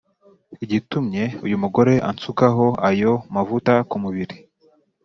Igitumye uyu mugore ansukaho ayo mavuta ku mubiri